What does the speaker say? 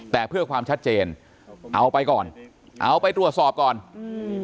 แต่เพื่อความชัดเจนเอาไปก่อนเอาไปตรวจสอบก่อนอืม